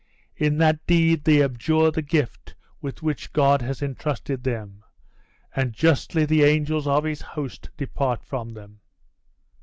In that deed they abjure the gift with which God had intrusted them; and justly, the angels of his host depart from them.